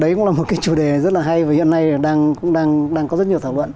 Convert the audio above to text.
đấy cũng là một cái chủ đề rất là hay và hiện nay cũng đang có rất nhiều thảo luận